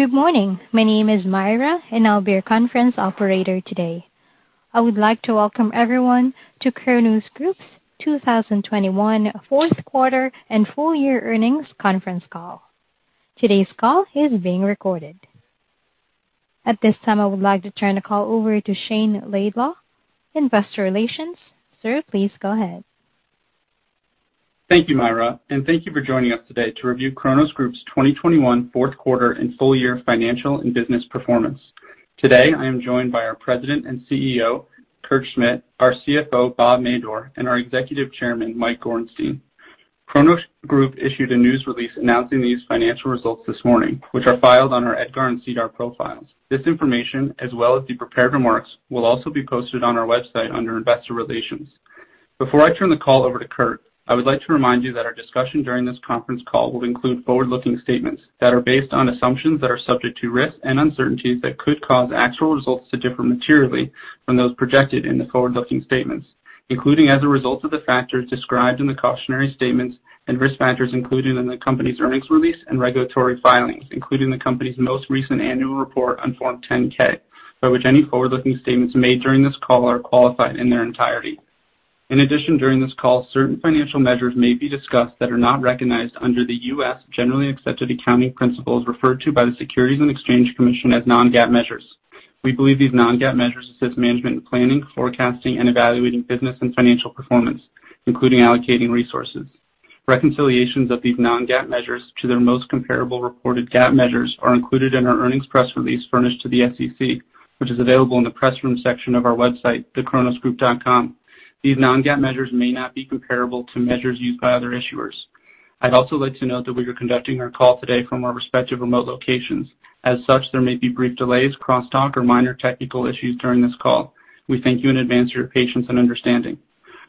Good morning. My name is Myra, and I'll be your conference operator today. I would like to welcome everyone to Cronos Group's 2021 fourth quarter and full year earnings conference call. Today's call is being recorded. At this time, I would like to turn the call over to Shayne Laidlaw, investor relations. Sir, please go ahead. Thank you, Myra, and thank you for joining us today to review Cronos Group's 2021 fourth quarter and full year financial and business performance. Today, I am joined by our President and CEO, Kurt Schmidt, our CFO, Bob Madore, and our Executive Chairman, Mike Gorenstein. Cronos Group issued a news release announcing these financial results this morning, which are filed on our EDGAR and SEDAR profiles. This information, as well as the prepared remarks, will also be posted on our website under Investor Relations. Before I turn the call over to Kurt, I would like to remind you that our discussion during this conference call will include forward-looking statements that are based on assumptions that are subject to risks and uncertainties that could cause actual results to differ materially from those projected in the forward-looking statements, including as a result of the factors described in the cautionary statements and risk factors included in the company's earnings release and regulatory filings, including the company's most recent annual report on Form 10-K, by which any forward-looking statements made during this call are qualified in their entirety. In addition, during this call, certain financial measures may be discussed that are not recognized under the U.S. Generally Accepted Accounting Principles referred to by the Securities and Exchange Commission as non-GAAP measures. We believe these non-GAAP measures assist management in planning, forecasting, and evaluating business and financial performance, including allocating resources. Reconciliations of these non-GAAP measures to their most comparable reported GAAP measures are included in our earnings press release furnished to the SEC, which is available in the Press Room section of our website, thecronosgroup.com. These non-GAAP measures may not be comparable to measures used by other issuers. I'd also like to note that we are conducting our call today from our respective remote locations. As such, there may be brief delays, crosstalk, or minor technical issues during this call. We thank you in advance for your patience and understanding.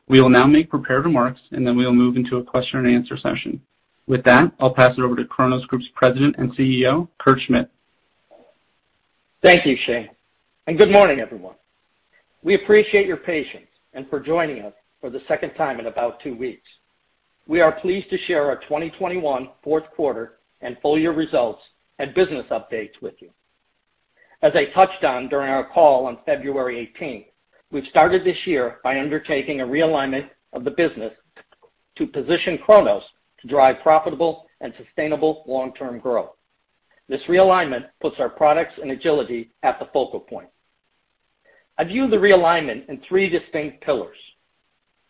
We will now make prepared remarks, and then we will move into a question-and-answer session. With that, I'll pass it over to Cronos Group's President and CEO, Kurt Schmidt. Thank you, Shane, and good morning, everyone. We appreciate your patience and for joining us for the second time in about two weeks. We are pleased to share our 2021 fourth quarter and full year results and business updates with you. As I touched on during our call on February 18th, we've started this year by undertaking a realignment of the business to position Cronos to drive profitable and sustainable long-term growth. This realignment puts our products and agility at the focal point. I view the realignment in three distinct pillars.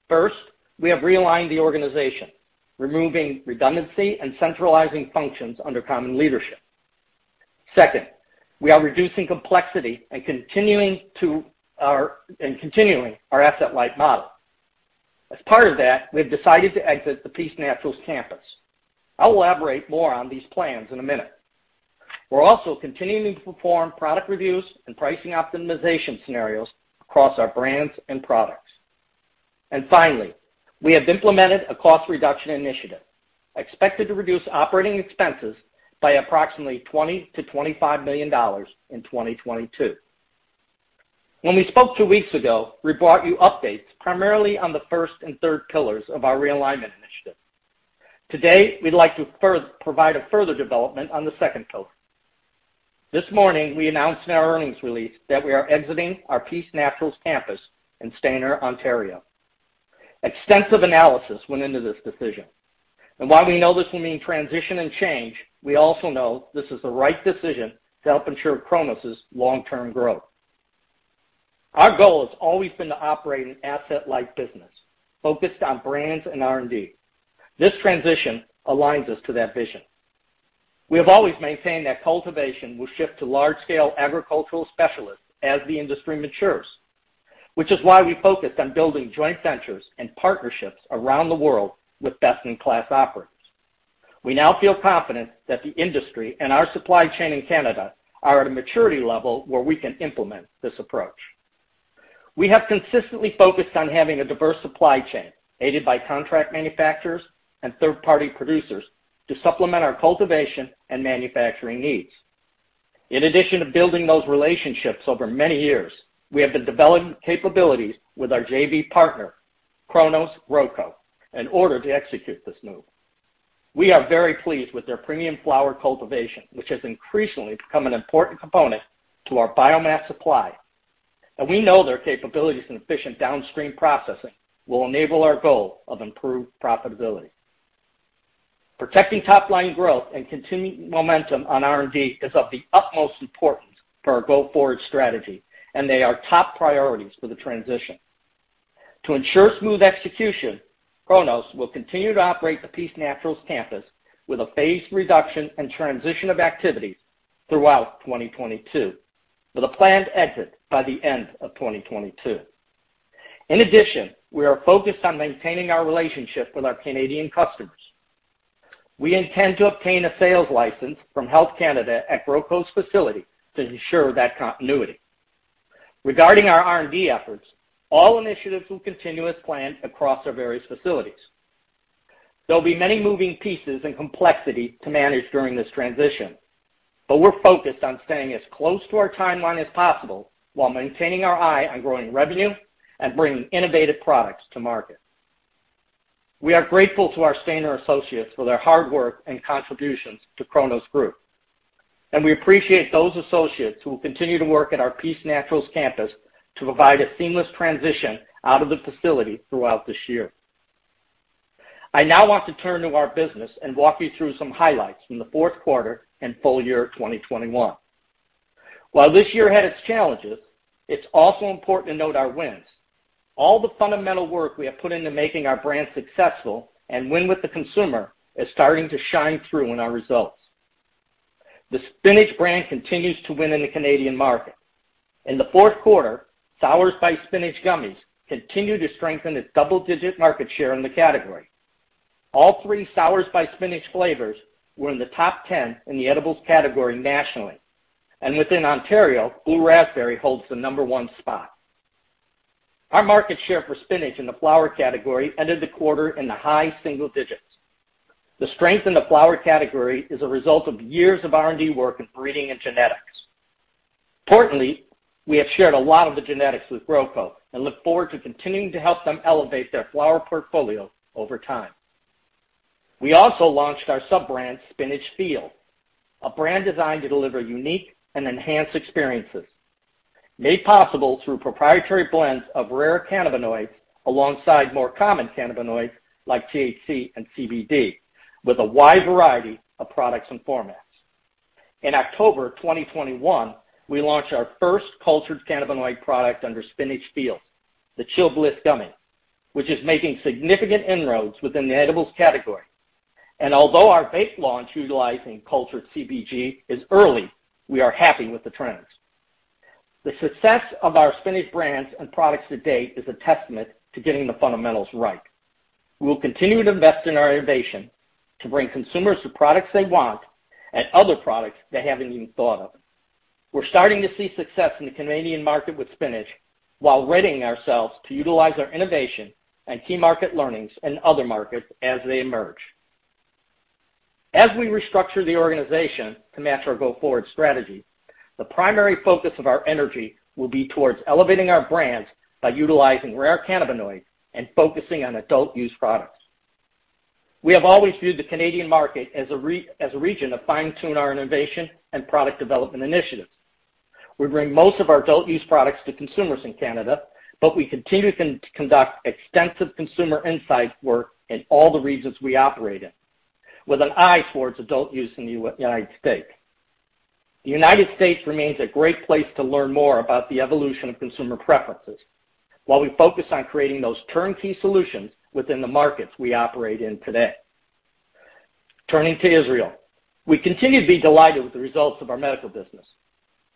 First, we have realigned the organization, removing redundancy and centralizing functions under common leadership. Second, we are reducing complexity and continuing our asset-light model. As part of that, we have decided to exit the Peace Naturals campus. I'll elaborate more on these plans in a minute. We're also continuing to perform product reviews and pricing optimization scenarios across our brands and products. Finally, we have implemented a cost reduction initiative, expected to reduce operating expenses by approximately $20 million-$25 million in 2022. When we spoke two weeks ago, we brought you updates primarily on the first and third pillars of our realignment initiative. Today, we'd like to provide a further development on the second pillar. This morning, we announced in our earnings release that we are exiting our Peace Naturals campus in Stayner, Ontario. Extensive analysis went into this decision, and while we know this will mean transition and change, we also know this is the right decision to help ensure Cronos' long-term growth. Our goal has always been to operate an asset-light business focused on brands and R&D. This transition aligns us to that vision. We have always maintained that cultivation will shift to large-scale agricultural specialists as the industry matures, which is why we focused on building joint ventures and partnerships around the world with best-in-class operators. We now feel confident that the industry and our supply chain in Canada are at a maturity level where we can implement this approach. We have consistently focused on having a diverse supply chain, aided by contract manufacturers and third-party producers to supplement our cultivation and manufacturing needs. In addition to building those relationships over many years, we have been developing capabilities with our JV partner, Cronos GrowCo, in order to execute this move. We are very pleased with their premium flower cultivation, which has increasingly become an important component to our biomass supply. We know their capabilities in efficient downstream processing will enable our goal of improved profitability. Protecting top-line growth and continuing momentum on R&D is of the utmost importance for our go-forward strategy, and they are top priorities for the transition. To ensure smooth execution, Cronos will continue to operate the Peace Naturals campus with a phased reduction and transition of activities throughout 2022, with a planned exit by the end of 2022. In addition, we are focused on maintaining our relationship with our Canadian customers. We intend to obtain a sales license from Health Canada at GrowCo's facility to ensure that continuity. Regarding our R&D efforts, all initiatives will continue as planned across our various facilities. There'll be many moving pieces and complexity to manage during this transition, but we're focused on staying as close to our timeline as possible while maintaining our eye on growing revenue and bringing innovative products to market. We are grateful to our Stayner associates for their hard work and contributions to Cronos Group, and we appreciate those associates who will continue to work at our Peace Naturals campus to provide a seamless transition out of the facility throughout this year. I now want to turn to our business and walk you through some highlights from the fourth quarter and full year 2021. While this year had its challenges, it's also important to note our wins. All the fundamental work we have put into making our brand successful and win with the consumer is starting to shine through in our results. The Spinach brand continues to win in the Canadian market. In the fourth quarter, SOURZ by Spinach gummies continued to strengthen its double-digit market share in the category. All three SOURZ by Spinach flavors were in the top 10 in the edibles category nationally, and within Ontario, blue raspberry holds the Number one spot. Our market share for Spinach in the flower category ended the quarter in the high single digits. The strength in the flower category is a result of years of R&D work in breeding and genetics. Importantly, we have shared a lot of the genetics with GrowCo and look forward to continuing to help them elevate their flower portfolio over time. We also launched our sub-brand, Spinach FEELZ, a brand designed to deliver unique and enhanced experiences, made possible through proprietary blends of rare cannabinoids alongside more common cannabinoids like THC and CBD, with a wide variety of products and formats. In October 2021, we launched our first cultured cannabinoid product under Spinach FEELZ, the Chill Bliss gummy, which is making significant inroads within the edibles category. Although our vape launch utilizing cultured CBG is early, we are happy with the trends. The success of our Spinach brands and products to date is a testament to getting the fundamentals right. We will continue to invest in our innovation to bring consumers the products they want and other products they haven't even thought of. We're starting to see success in the Canadian market with Spinach while readying ourselves to utilize our innovation and key market learnings in other markets as they emerge. As we restructure the organization to match our go-forward strategy, the primary focus of our energy will be towards elevating our brands by utilizing rare cannabinoids and focusing on adult-use products. We have always viewed the Canadian market as a region to fine-tune our innovation and product development initiatives. We bring most of our adult use products to consumers in Canada, but we continue to conduct extensive consumer insight work in all the regions we operate in, with an eye towards adult use in the U.S.. The U.S. remains a great place to learn more about the evolution of consumer preferences while we focus on creating those turnkey solutions within the markets we operate in today. Turning to Israel, we continue to be delighted with the results of our medical business.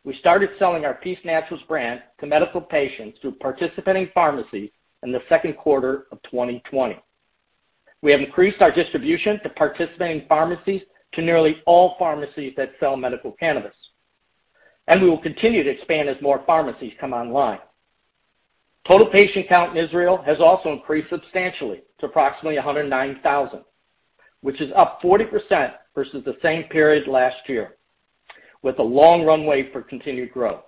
We started selling our Peace Naturals brand to medical patients through participating pharmacies in the second quarter of 2020. We have increased our distribution to participating pharmacies to nearly all pharmacies that sell medical cannabis, and we will continue to expand as more pharmacies come online. Total patient count in Israel has also increased substantially to approximately 109,000, which is up 40% versus the same period last year, with a long runway for continued growth.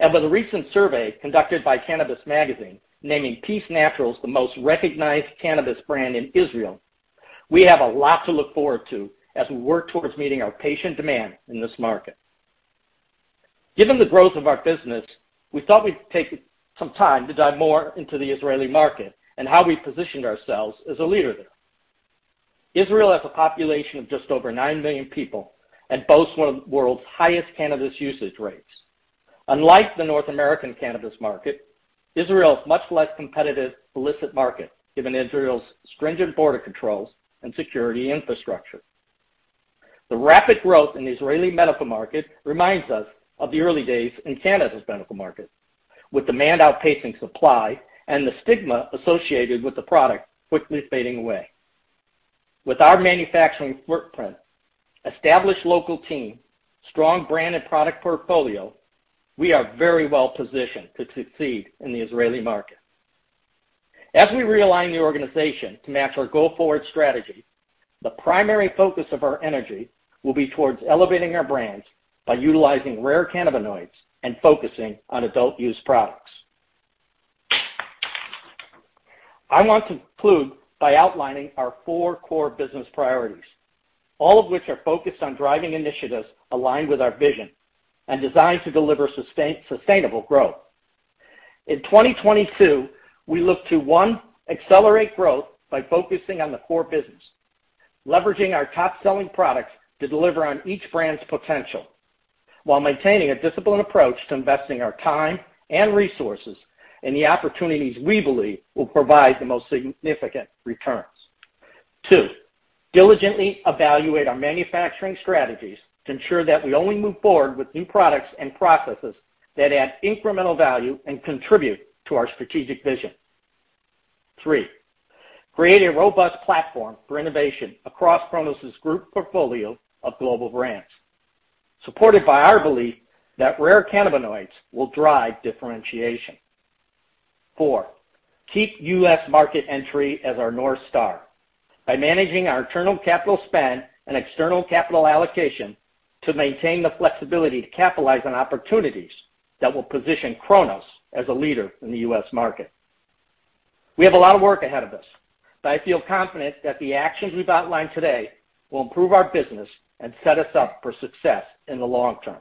With a recent survey conducted by Cannabis Magazine naming Peace Naturals the most recognized cannabis brand in Israel, we have a lot to look forward to as we work towards meeting our patient demand in this market. Given the growth of our business, we thought we'd take some time to dive more into the Israeli market and how we positioned ourselves as a leader there. Israel has a population of just over 9 million people and boasts one of the world's highest cannabis usage rates. Unlike the North American cannabis market, Israel is a much less competitive illicit market, given Israel's stringent border controls and security infrastructure. The rapid growth in the Israeli medical market reminds us of the early days in Canada's medical market, with demand outpacing supply and the stigma associated with the product quickly fading away. With our manufacturing footprint, established local team, strong brand and product portfolio, we are very well positioned to succeed in the Israeli market. As we realign the organization to match our go-forward strategy, the primary focus of our energy will be towards elevating our brands by utilizing rare cannabinoids and focusing on adult-use products. I want to conclude by outlining our four core business priorities, all of which are focused on driving initiatives aligned with our vision and designed to deliver sustainable growth. In 2022, we look to, one, accelerate growth by focusing on the core business, leveraging our top-selling products to deliver on each brand's potential while maintaining a disciplined approach to investing our time and resources in the opportunities we believe will provide the most significant returns. Two, diligently evaluate our manufacturing strategies to ensure that we only move forward with new products and processes that add incremental value and contribute to our strategic vision. Three, create a robust platform for innovation across Cronos Group's portfolio of global brands, supported by our belief that rare cannabinoids will drive differentiation. Four, keep U.S. market entry as our North Star by managing our internal capital spend and external capital allocation to maintain the flexibility to capitalize on opportunities that will position Cronos as a leader in the U.S. market. We have a lot of work ahead of us, but I feel confident that the actions we've outlined today will improve our business and set us up for success in the long term.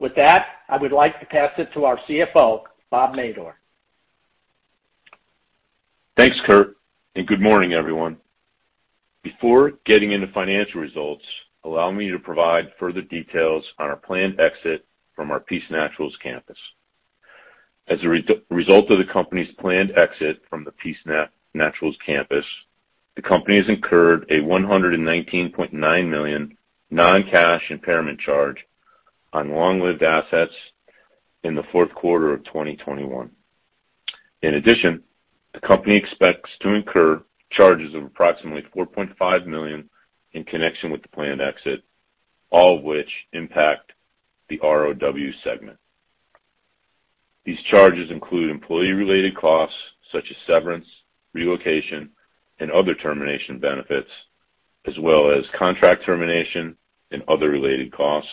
With that, I would like to pass it to our CFO, Bob Madore. Thanks, Kurt, and good morning, everyone. Before getting into financial results, allow me to provide further details on our planned exit from our Peace Naturals campus. As a result of the company's planned exit from the Peace Naturals campus, the company has incurred a $119.9 million non-cash impairment charge on long-lived assets in the fourth quarter of 2021. In addition, the company expects to incur charges of approximately $4.5 million in connection with the planned exit, all which impact the ROW segment. These charges include employee-related costs such as severance, relocation, and other termination benefits, as well as contract termination and other related costs,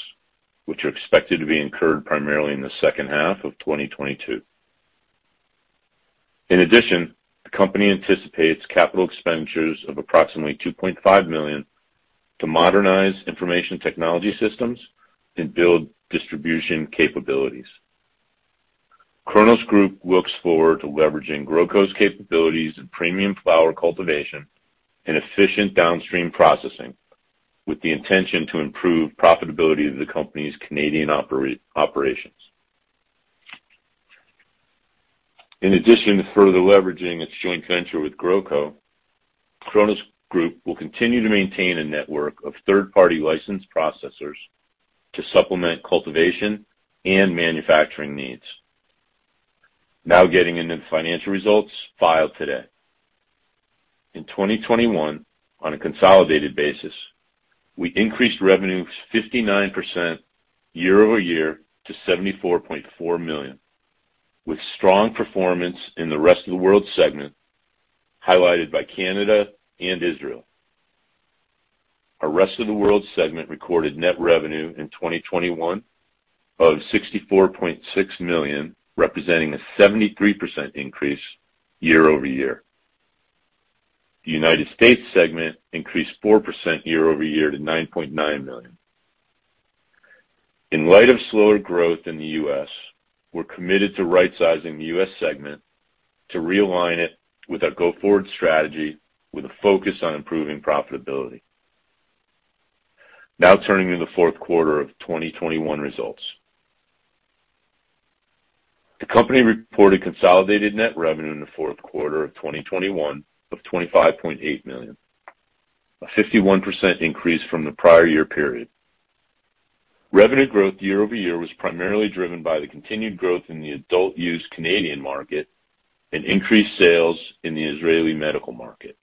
which are expected to be incurred primarily in the second half of 2022. In addition, the company anticipates capital expenditures of approximately $2.5 million to modernize information technology systems and build distribution capabilities. Cronos Group looks forward to leveraging GrowCo's capabilities in premium flower cultivation and efficient downstream processing, with the intention to improve profitability of the company's Canadian operations. In addition to further leveraging its joint venture with GrowCo, Cronos Group will continue to maintain a network of third-party licensed processors to supplement cultivation and manufacturing needs. Now getting into the financial results filed today. In 2021, on a consolidated basis, we increased revenue 59% year-over-year to $74.4 million, with strong performance in the rest of the world segment, highlighted by Canada and Israel. Our rest of the world segment recorded net revenue in 2021 of $64.6 million, representing a 73% increase year-over-year. The U.S. segment increased 4% year-over-year to $9.9 million. In light of slower growth in the U.S., we're committed to rightsizing the U.S. segment to realign it with our go-forward strategy with a focus on improving profitability. Now turning to the fourth quarter of 2021 results. The company reported consolidated net revenue in the fourth quarter of 2021 of $25.8 million, a 51% increase from the prior year period. Revenue growth year-over-year was primarily driven by the continued growth in the adult-use Canadian market and increased sales in the Israeli medical market.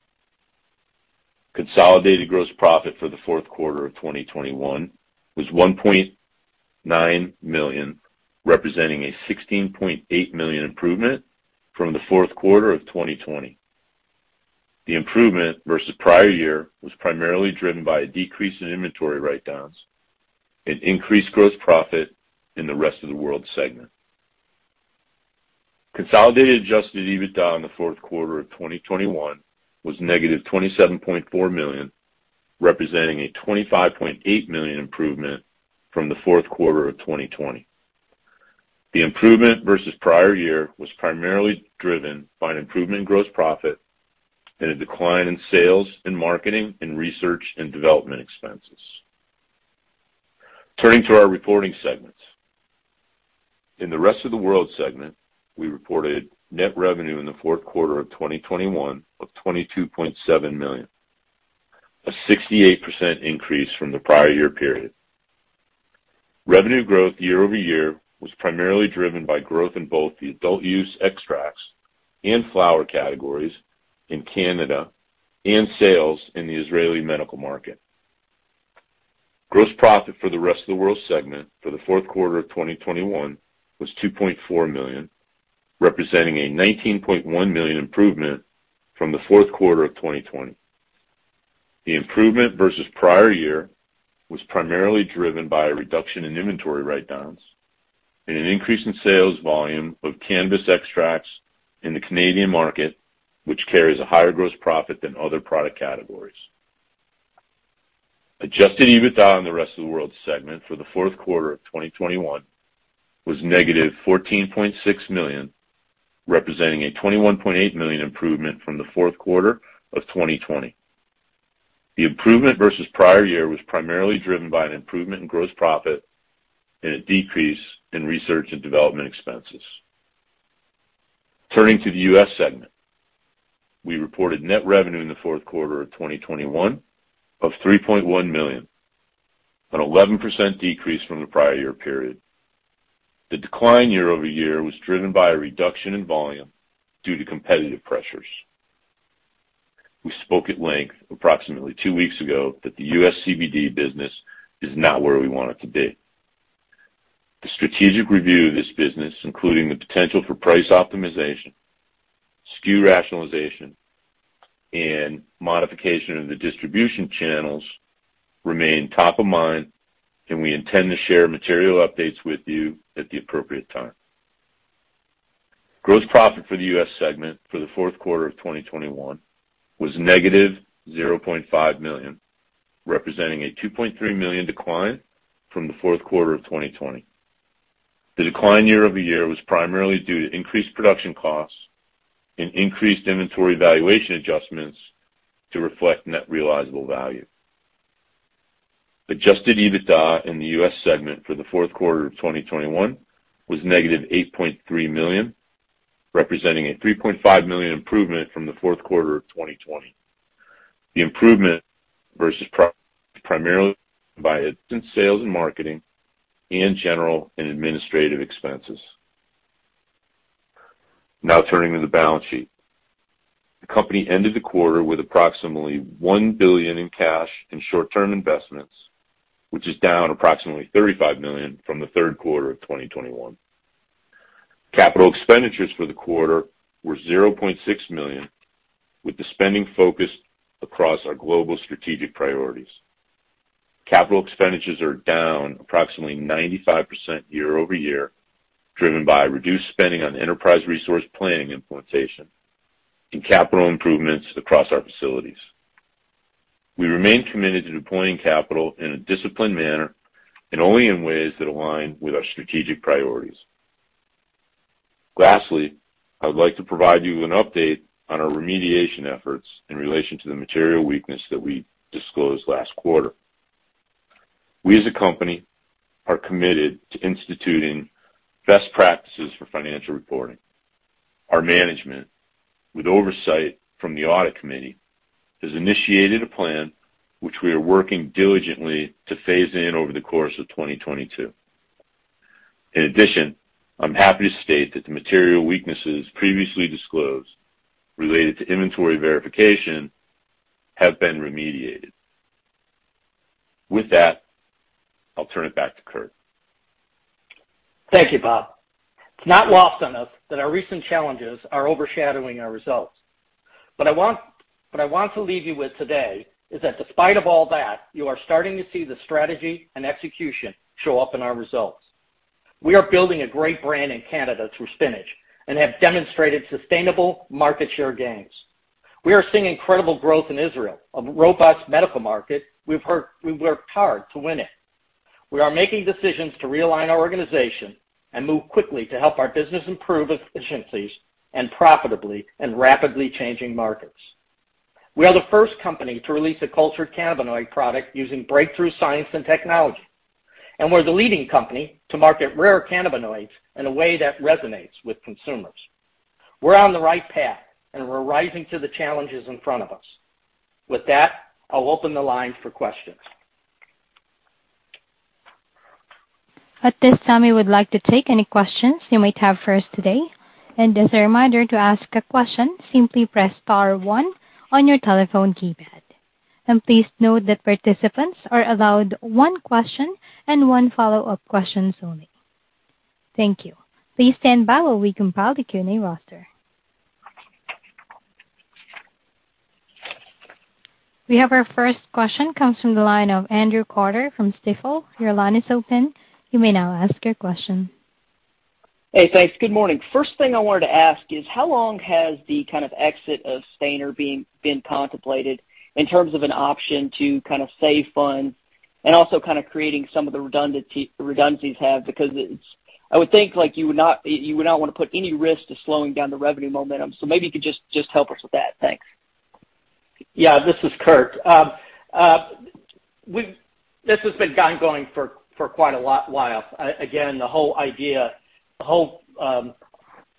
Consolidated gross profit for the fourth quarter of 2021 was $1.9 million, representing a $16.8 million improvement from the fourth quarter of 2020. The improvement versus prior year was primarily driven by a decrease in inventory write-downs and increased gross profit in the rest of the world segment. Consolidated adjusted EBITDA in the fourth quarter of 2021 was -$27.4 million, representing a $25.8 million improvement from the fourth quarter of 2020. The improvement versus prior year was primarily driven by an improvement in gross profit and a decline in sales and marketing and research and development expenses. Turning to our reporting segments. In the Rest of the World segment, we reported net revenue in the fourth quarter of 2021 of $22.7 million, a 68% increase from the prior year period. Revenue growth year-over-year was primarily driven by growth in both the adult-use extracts and flower categories in Canada and sales in the Israeli medical market. Gross profit for the rest of the world segment for the fourth quarter of 2021 was $2.4 million, representing a $19.1 million improvement from the fourth quarter of 2020. The improvement versus prior year was primarily driven by a reduction in inventory write-downs and an increase in sales volume of cannabis extracts in the Canadian market, which carries a higher gross profit than other product categories. Adjusted EBITDA in the rest of the world segment for the fourth quarter of 2021 was -$14.6 million, representing a $21.8 million improvement from the fourth quarter of 2020. The improvement versus prior year was primarily driven by an improvement in gross profit and a decrease in research and development expenses. Turning to the U.S. segment. We reported net revenue in the fourth quarter of 2021 of $3.1 million, an 11% decrease from the prior year period. The decline year-over-year was driven by a reduction in volume due to competitive pressures. We spoke at length approximately two weeks ago that the U.S. CBD business is not where we want it to be. The strategic review of this business, including the potential for price optimization, SKU rationalization, and modification of the distribution channels remain top of mind, and we intend to share material updates with you at the appropriate time. Gross profit for the U.S. segment for the fourth quarter of 2021 was -$0.5 million, representing a $2.3 million decline from the fourth quarter of 2020. The decline year-over-year was primarily due to increased production costs and increased inventory valuation adjustments to reflect net realizable value. Adjusted EBITDA in the U.S. segment for the fourth quarter of 2021 was -$8.3 million, representing a $3.5 million improvement from the fourth quarter of 2020. The improvement versus prior was primarily by sales and marketing and general and administrative expenses. Now turning to the balance sheet. The company ended the quarter with approximately $1 billion in cash and short-term investments, which is down approximately $35 million from the third quarter of 2021. Capital expenditures for the quarter were $0.6 million, with the spending focused across our global strategic priorities. Capital expenditures are down approximately 95% year-over-year, driven by reduced spending on enterprise resource planning implementation and capital improvements across our facilities. We remain committed to deploying capital in a disciplined manner and only in ways that align with our strategic priorities. Lastly, I would like to provide you an update on our remediation efforts in relation to the material weakness that we disclosed last quarter. We as a company are committed to instituting best practices for financial reporting. Our management, with oversight from the audit committee, has initiated a plan which we are working diligently to phase in over the course of 2022. In addition, I'm happy to state that the material weaknesses previously disclosed related to inventory verification have been remediated. With that, I'll turn it back to Kurt. Thank you, Bob. It's not lost on us that our recent challenges are overshadowing our results. What I want to leave you with today is that despite of all that, you are starting to see the strategy and execution show up in our results. We are building a great brand in Canada through Spinach and have demonstrated sustainable market share gains. We are seeing incredible growth in Israel, a robust medical market. We've worked hard to win it. We are making decisions to realign our organization and move quickly to help our business improve efficiencies and profitably in rapidly changing markets. We are the first company to release a cultured cannabinoid product using breakthrough science and technology, and we're the leading company to market rare cannabinoids in a way that resonates with consumers. We're on the right path, and we're rising to the challenges in front of us. With that, I'll open the line for questions. At this time, we would like to take any questions you might have for us today. As a reminder to ask a question, simply press star one on your telephone keypad. Please note that participants are allowed one question and one follow-up question only. Thank you. Please stand by while we compile the Q&A roster. Our first question comes from the line of Andrew Carter from Stifel. Your line is open. You may now ask your question. Hey, thanks. Good morning. First thing I wanted to ask is how long has the kind of exit of Stayner been contemplated in terms of an option to kind of save funds and also kind of creating some of the redundancies? Because it's, I would think like you would not wanna put any risk to slowing down the revenue momentum. Maybe you could just help us with that. Thanks. Yeah, this is Kurt. This has been ongoing for quite a long while. The whole idea,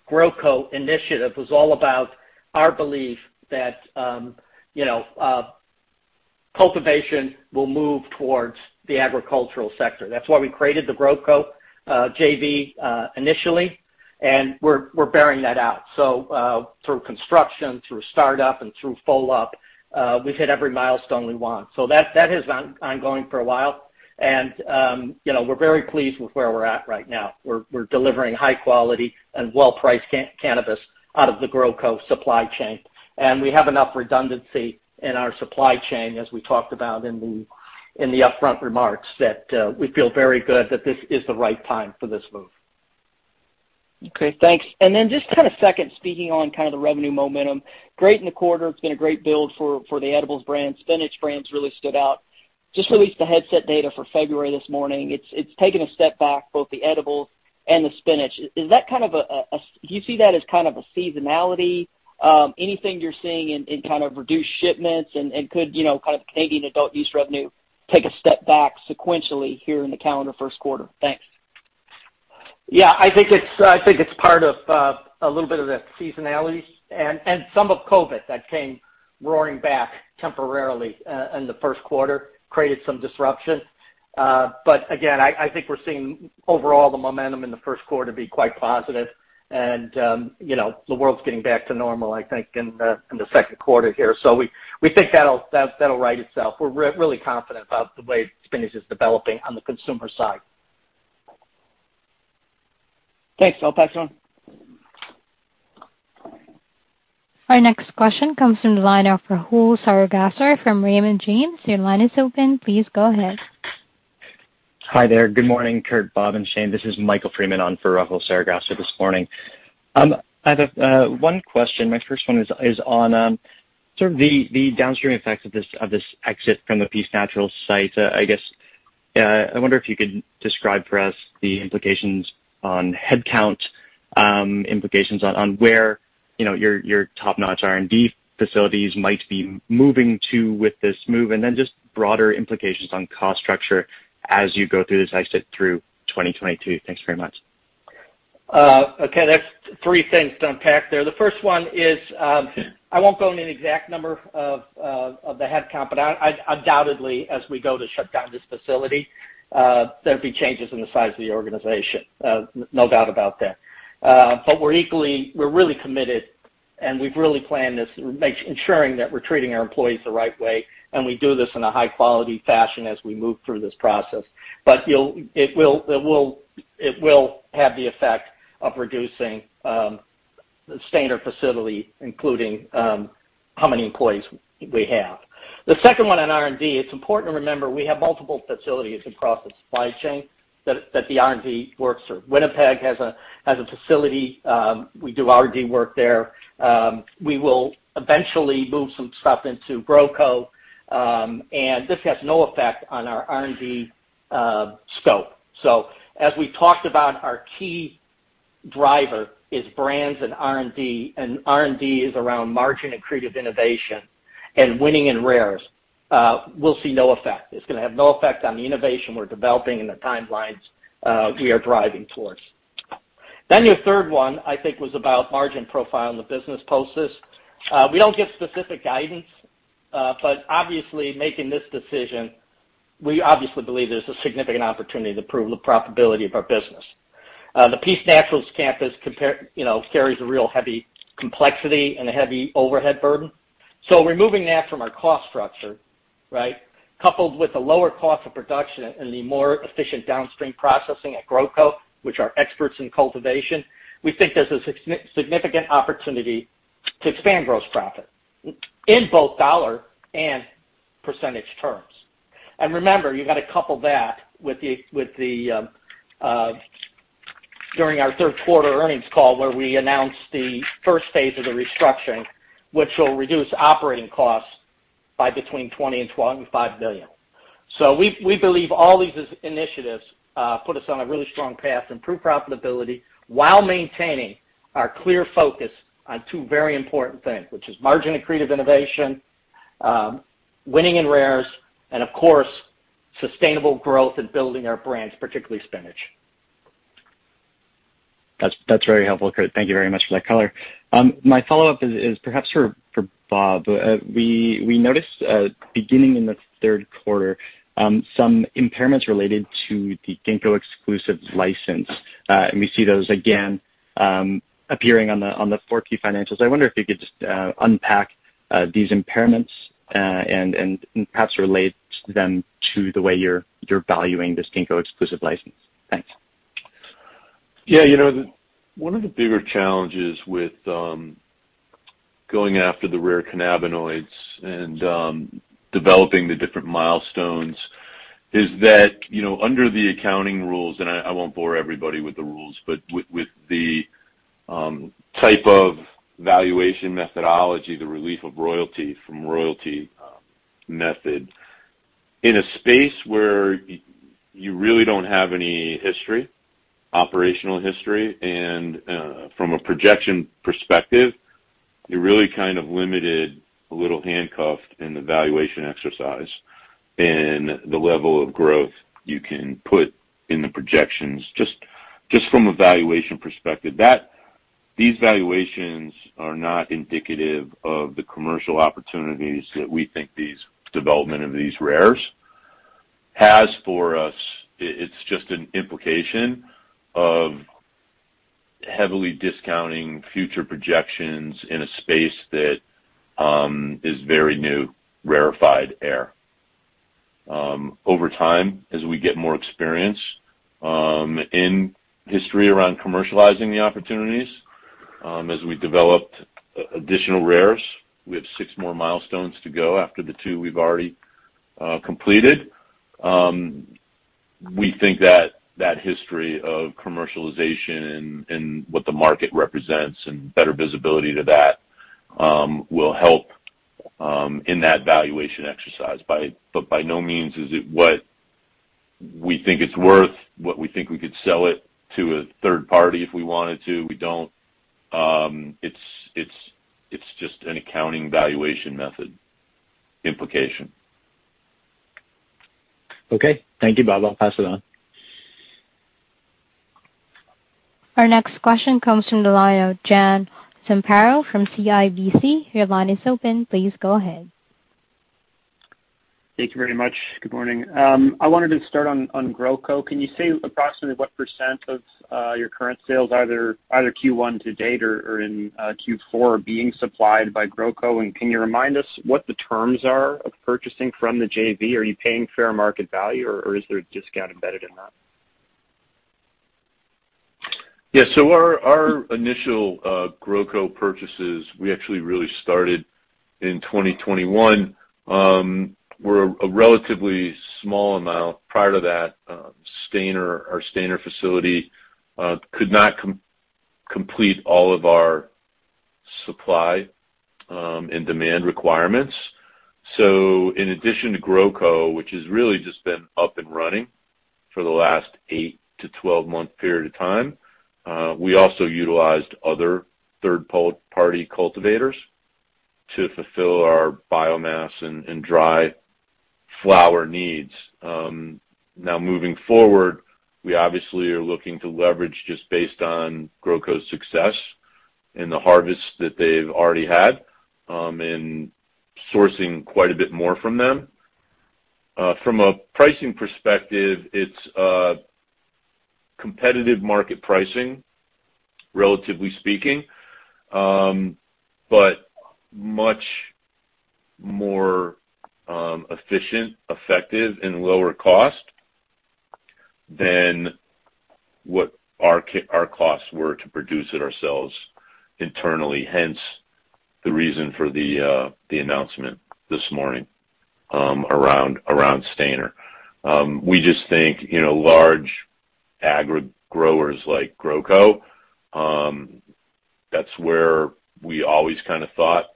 the GrowCo initiative was all about our belief that, you know, cultivation will move towards the agricultural sector. That's why we created the GrowCo JV initially, and we're bearing that out. So, through construction, through startup, and through follow-up, we've hit every milestone we want. So that has been ongoing for a while. We're very pleased with where we're at right now. We're delivering high quality and well-priced cannabis out of the GrowCo supply chain. We have enough redundancy in our supply chain, as we talked about in the upfront remarks, that we feel very good that this is the right time for this move. Okay, thanks. Just kind of second, speaking on kind of the revenue momentum. Great in the quarter. It's been a great build for the edibles brand. Spinach brands really stood out. Just released the Headset data for February this morning. It's taken a step back, both the edibles and the Spinach. Do you see that as kind of a seasonality? Anything you're seeing in kind of reduced shipments? And could, you know, kind of Canadian adult use revenue take a step back sequentially here in the calendar first quarter? Thanks. Yeah, I think it's part of a little bit of the seasonality and some of COVID that came roaring back temporarily in the first quarter, created some disruption. But again, I think we're seeing overall the momentum in the first quarter be quite positive. You know, the world's getting back to normal, I think, in the second quarter here. We think that'll right itself. We're really confident about the way Spinach is developing on the consumer side. Thanks. I'll pass it on. Our next question comes from the line of Rahul Sarugaser from Raymond James. Your line is open. Please go ahead. Hi there. Good morning, Kurt, Bob, and Shane. This is Michael Freeman on for Rahul Sarugaser this morning. I have one question. My first one is on sort of the downstream effects of this exit from the Peace Naturals site. I guess I wonder if you could describe for us the implications on headcount, implications on where, you know, your top-notch R&D facilities might be moving to with this move, and then just broader implications on cost structure as you go through this exit through 2022. Thanks very much. Okay, that's three things to unpack there. The first one is, I won't go into any exact number of the headcount, but undoubtedly, as we go to shut down this facility, there'll be changes in the size of the organization. No doubt about that. But we're equally, we're really committed, and we've really planned this ensuring that we're treating our employees the right way, and we do this in a high-quality fashion as we move through this process. But you'll, it will have the effect of reducing the standard facility, including how many employees we have. The second one on R&D, it's important to remember we have multiple facilities across the supply chain that the R&D works through. Winnipeg has a facility, we do R&D work there. We will eventually move some stuff into GrowCo, and this has no effect on our R&D scope. As we talked about, our key driver is brands and R&D, and R&D is around margin accretive innovation and winning in rares. We'll see no effect. It's gonna have no effect on the innovation we're developing and the timelines we are driving towards. Your third one, I think was about margin profile in the business post this. We don't give specific guidance, but obviously making this decision, we obviously believe there's a significant opportunity to improve the profitability of our business. The Peace Naturals campus compared, you know, carries a real heavy complexity and a heavy overhead burden. Removing that from our cost structure, right, coupled with the lower cost of production and the more efficient downstream processing at GrowCo, which are experts in cultivation, we think there's a significant opportunity to expand gross profit in both dollar and percentage terms. Remember, you gotta couple that with the during our third quarter earnings call where we announced the first phase of the restructuring, which will reduce operating costs by between $20 million and $25 million. We believe all these initiatives put us on a really strong path to improve profitability while maintaining our clear focus on two very important things, which is margin accretive innovation, winning in rares, and of course, sustainable growth and building our brands, particularly Spinach. That's very helpful, Kurt. Thank you very much for that color. My follow-up is perhaps for Bob. We noticed beginning in the third quarter some impairments related to the Ginkgo exclusive license, and we see those again appearing on the 4Q financials. I wonder if you could just unpack these impairments and perhaps relate them to the way you're valuing this Ginkgo exclusive license. Thanks. Yeah, you know, one of the bigger challenges with going after the rare cannabinoids and developing the different milestones is that, you know, under the accounting rules, and I won't bore everybody with the rules, but with the type of valuation methodology, the relief from royalty method, in a space where you really don't have any history, operational history, and from a projection perspective, you're really kind of limited, a little handcuffed in the valuation exercise and the level of growth you can put in the projections just from a valuation perspective. These valuations are not indicative of the commercial opportunities that we think these development of these rares has for us. It's just an implication of heavily discounting future projections in a space that is very new, rarefied air. Over time, as we get more experience in history around commercializing the opportunities, as we developed additional rares, we have six more milestones to go after the two we've already completed. We think that history of commercialization and what the market represents and better visibility to that will help in that valuation exercise. By no means is it what we think it's worth, what we think we could sell it to a third party if we wanted to. We don't. It's just an accounting valuation method implication. Okay. Thank you, Bob. I'll pass it on. Our next question comes from the line of John Zamparo from CIBC. Your line is open. Please go ahead. Thank you very much. Good morning. I wanted to start on GrowCo. Can you say approximately what percent of your current sales either Q1 to date or in Q4 are being supplied by GrowCo? Can you remind us what the terms are of purchasing from the JV? Are you paying fair market value or is there a discount embedded in that? Our initial GrowCo purchases we actually really started in 2021 were a relatively small amount. Prior to that, Stayner, our Stayner facility, could not complete all of our supply and demand requirements. In addition to GrowCo, which has really just been up and running for the last eight-12-month period of time, we also utilized other third party cultivators to fulfill our biomass and dry flower needs. Now moving forward, we obviously are looking to leverage just based on GrowCo's success and the harvest that they've already had in sourcing quite a bit more from them. From a pricing perspective, it's competitive market pricing, relatively speaking, but much more efficient, effective and lower cost than what our costs were to produce it ourselves internally, hence the reason for the announcement this morning around Stayner. We just think, you know, large agri-growers like GrowCo, that's where we always kind of thought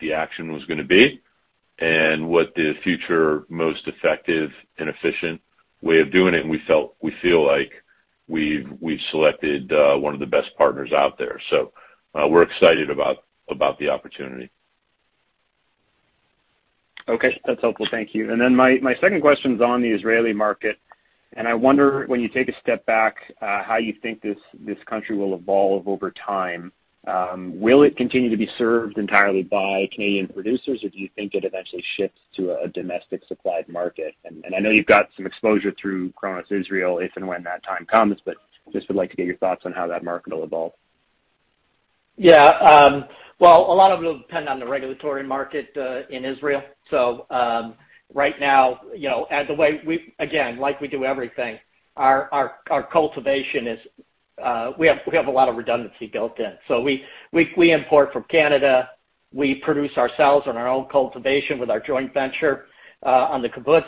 the action was gonna be and what the future most effective and efficient way of doing it, and we feel like we've selected one of the best partners out there. We're excited about the opportunity. Okay. That's helpful. Thank you. Then my second question's on the Israeli market. I wonder when you take a step back, how you think this country will evolve over time. Will it continue to be served entirely by Canadian producers, or do you think it eventually shifts to a domestic supplied market? I know you've got some exposure through Cronos Israel if and when that time comes, but just would like to get your thoughts on how that market will evolve. Yeah. Well, a lot of it'll depend on the regulatory market in Israel. Right now, you know, the way we again, like we do everything, our cultivation is. We have a lot of redundancy built in. We import from Canada, we produce ourselves on our own cultivation with our joint venture on the kibbutz,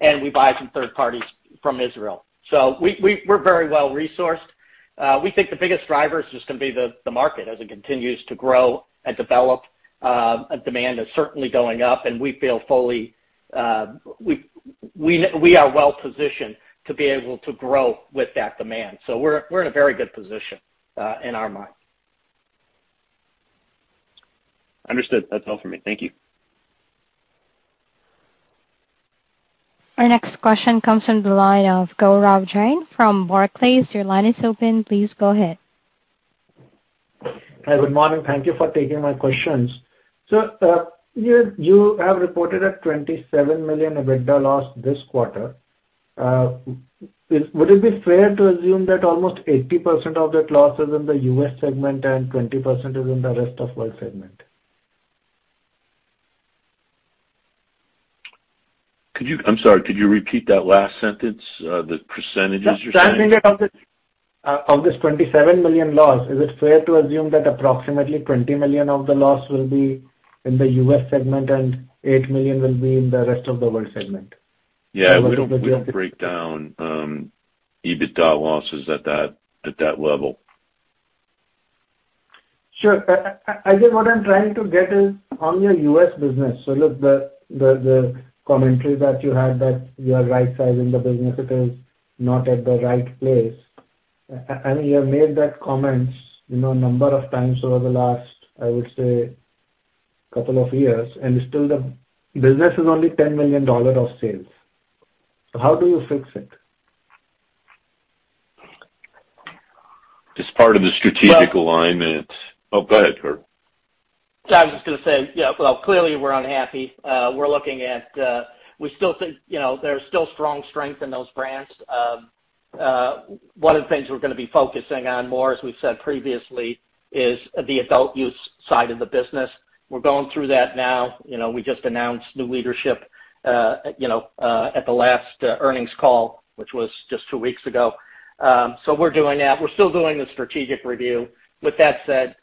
and we buy some from third parties in Israel. We're very well-resourced. We think the biggest driver is just gonna be the market as it continues to grow and develop. Demand is certainly going up and we feel we are well-positioned to be able to grow with that demand. We're in a very good position in our mind. Understood. That's all for me. Thank you. Our next question comes from the line of Gaurav Jain from Barclays. Your line is open. Please go ahead. Hi, good morning. Thank you for taking my questions. You have reported a $27 million EBITDA loss this quarter. Would it be fair to assume that almost 80% of that loss is in the U.S. segment and 20% is in the rest of world segment? I'm sorry, could you repeat that last sentence, the percentages you're saying? Of this $27 million loss, is it fair to assume that approximately $20 million of the loss will be in the U.S. segment and $8 million will be in the rest of the world segment? Yeah, we don't break down EBITDA losses at that level. Sure. I think what I'm trying to get is on your U.S. business. Look, the commentary that you had that you are rightsizing the business, it is not at the right place. And you have made that comment, you know, a number of times over the last, I would say, couple of years, and still the business is only $10 million of sales. How do you fix it? Just part of the strategic alignment. Oh, go ahead, Kurt. I was just gonna say, yeah, well, clearly we're unhappy. We're looking at, we still think, you know, there's still strong strength in those brands. One of the things we're gonna be focusing on more, as we've said previously, is the adult use side of the business. We're going through that now. You know, we just announced new leadership, you know, at the last earnings call, which was just two weeks ago. So we're doing that. We're still doing the strategic review. With that said,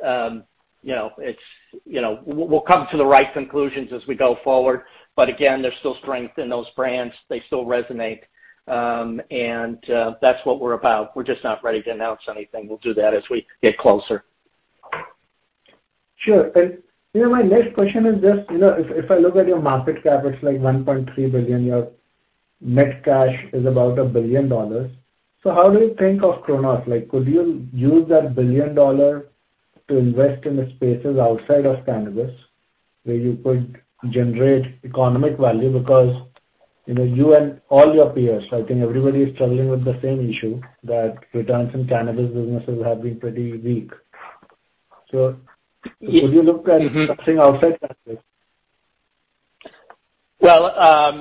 you know, it's, you know, we'll come to the right conclusions as we go forward. Again, there's still strength in those brands. They still resonate. That's what we're about. We're just not ready to announce anything. We'll do that as we get closer. Sure. You know, my next question is just, you know, if I look at your market cap, it's like $1.3 billion. Your net cash is about $1 billion. How do you think of Cronos? Like, could you use that $1 billion to invest in the spaces outside of cannabis, where you could generate economic value? Because, you know, you and all your peers, I think everybody is struggling with the same issue, that returns in cannabis businesses have been pretty weak. Would you look at investing outside cannabis? Well,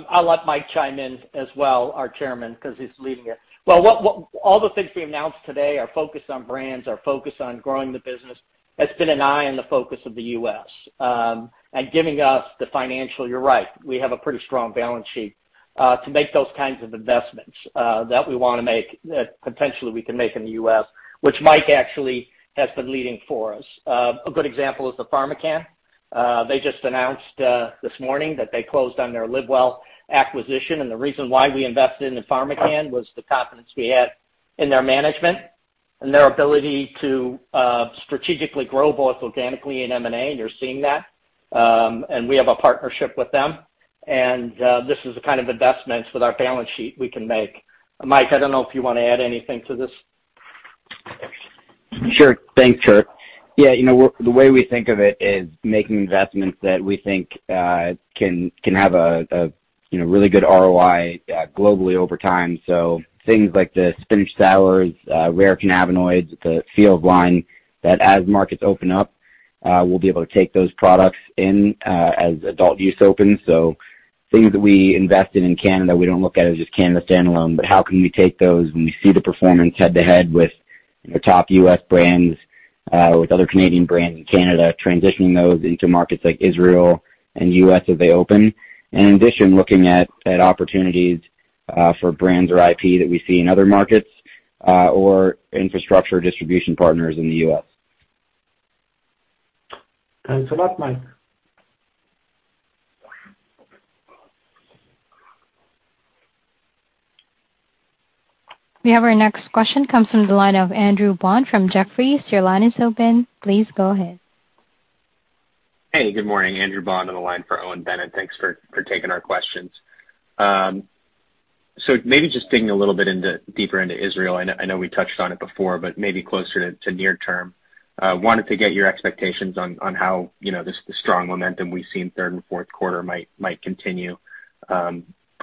I'll let Mike chime in as well, our chairman, because he's leading it. Well, what all the things we announced today are focused on brands, are focused on growing the business. It's been with an eye on the focus of the U.S., and giving us the financial, you're right, we have a pretty strong balance sheet to make those kinds of investments, that we wanna make, that potentially we can make in the U.S., which Mike actually has been leading for us. A good example is the PharmaCann. They just announced this morning that they closed on their LivWell acquisition, and the reason why we invested in the PharmaCann was the confidence we had in their management and their ability to strategically grow both organically and in M&A, and you're seeing that. We have a partnership with them, and this is the kind of investments with our balance sheet we can make. Mike, I don't know if you wanna add anything to this. Sure. Thanks, Kurt. Yeah, you know, the way we think of it is making investments that we think can have a really good ROI globally over time. Things like the Spinach SOURZ, rare cannabinoids, the FEELZ line that, as markets open up, we'll be able to take those products in, as adult use opens. Things that we invest in in Canada, we don't look at it as just Canada standalone, but how can we take those when we see the performance head to head with the top U.S. brands, with other Canadian brands in Canada, transitioning those into markets like Israel and U.S. as they open. In addition, looking at opportunities for brands or IP that we see in other markets, or infrastructure distribution partners in the U.S. Thanks a lot, Mike. We have our next question comes from the line of Andrew Bond from Jefferies. Your line is open. Please go ahead. Hey, good morning, Andrew Bond on the line for Owen Bennett. Thanks for taking our questions. So maybe just digging a little bit deeper into Israel. I know we touched on it before, but maybe closer to near term. Wanted to get your expectations on how you know this the strong momentum we've seen third and fourth quarter might continue,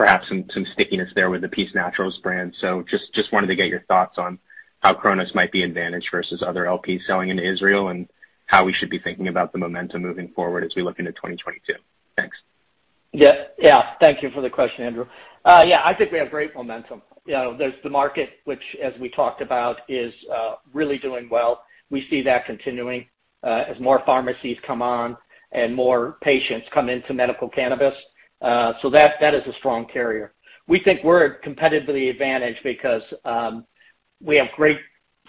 perhaps some stickiness there with the Peace Naturals brand. So just wanted to get your thoughts on how Cronos might be advantaged versus other LPs selling into Israel and how we should be thinking about the momentum moving forward as we look into 2022. Thanks. Yeah. Yeah. Thank you for the question, Andrew. Yeah, I think we have great momentum. You know, there's the market, which as we talked about, is really doing well. We see that continuing as more pharmacies come on and more patients come into medical cannabis. That is a strong carrier. We think we're competitively advantaged because we have great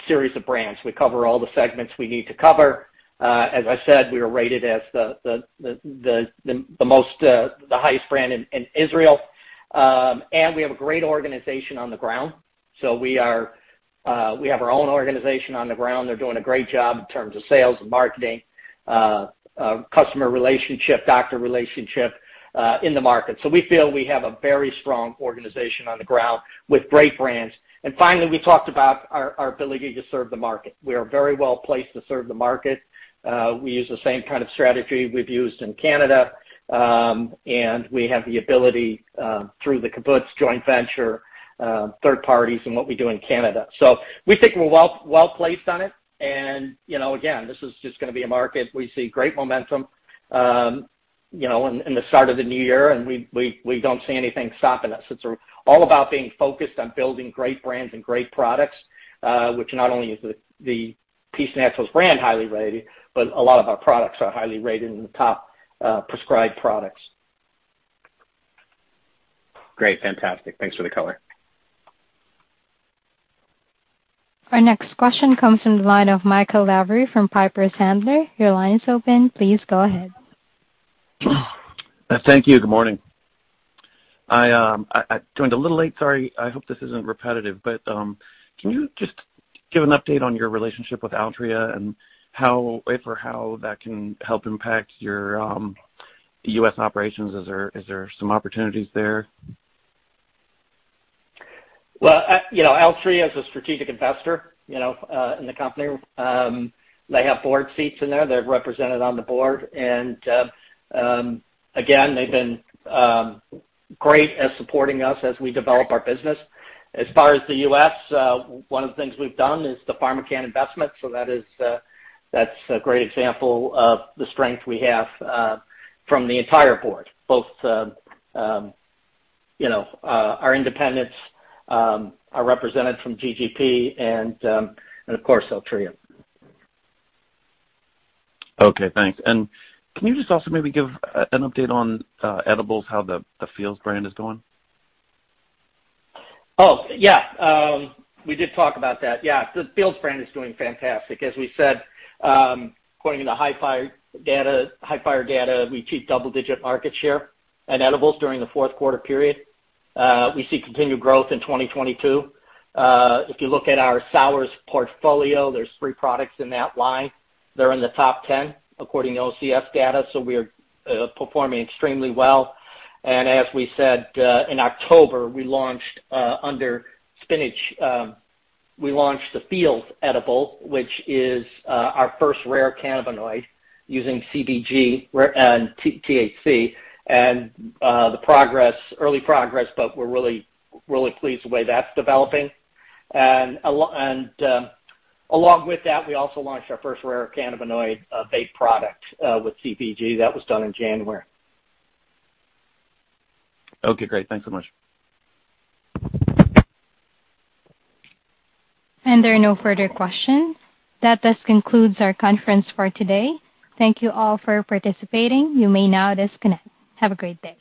series of brands. We cover all the segments we need to cover. As I said, we are rated as the highest brand in Israel. We have a great organization on the ground. We have our own organization on the ground. They're doing a great job in terms of sales and marketing, customer relationship, doctor relationship in the market. We feel we have a very strong organization on the ground with great brands. Finally, we talked about our ability to serve the market. We are very well-placed to serve the market. We use the same kind of strategy we've used in Canada, and we have the ability through the Kibbutz joint venture, third parties and what we do in Canada. We think we're well-placed on it. You know, again, this is just gonna be a market. We see great momentum, you know, in the start of the new year, and we don't see anything stopping us. It's all about being focused on building great brands and great products, which not only is the Peace Naturals brand highly rated, but a lot of our products are highly rated and the top prescribed products. Great. Fantastic. Thanks for the color. Our next question comes from the line of Michael Lavery from Piper Sandler. Your line is open. Please go ahead. Thank you. Good morning. I joined a little late, sorry. I hope this isn't repetitive, but can you just give an update on your relationship with Altria and how, if or how that can help impact your U.S. operations? Is there some opportunities there? Well, you know, Altria is a strategic investor, you know, in the company. They have board seats in there. They're represented on the board. Again, they've been great at supporting us as we develop our business. As far as the U.S., one of the things we've done is the PharmaCann investment, so that's a great example of the strength we have from the entire board, both you know, our independents are represented from GGP and of course, Altria. Okay, thanks. Can you just also maybe give an update on edibles, how the FEELZ brand is doing? Oh, yeah. We did talk about that. Yeah. The FEELZ brand is doing fantastic. As we said, according to the Hifyre data, we achieved double-digit market share in edibles during the fourth quarter period. We see continued growth in 2022. If you look at our SOURZ portfolio, there's three products in that line. They're in the top 10 according to OCS data, so we are performing extremely well. As we said, in October, we launched under Spinach the FEELZ edible, which is our first rare cannabinoid using CBG and THC, and early progress, but we're really, really pleased the way that's developing. Along with that, we also launched our first rare cannabinoid vape product with CBG. That was done in January. Okay, great. Thanks so much. There are no further questions. That does conclude our conference for today. Thank you all for participating. You may now disconnect. Have a great day.